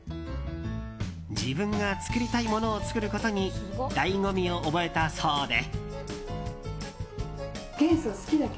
自分が作りたいものを作ることに醍醐味を覚えたそうで。